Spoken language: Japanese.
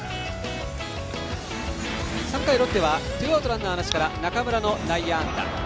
３回ロッテはツーアウトランナーなしから中村の内野安打。